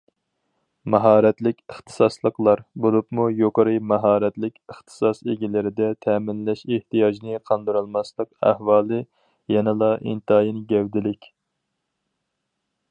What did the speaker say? ماھارەتلىك ئىختىساسلىقلار، بولۇپمۇ يۇقىرى ماھارەتلىك ئىختىساس ئىگىلىرىدە تەمىنلەش ئېھتىياجنى قاندۇرالماسلىق ئەھۋالى يەنىلا ئىنتايىن گەۋدىلىك.